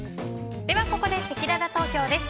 ここでせきらら投票です。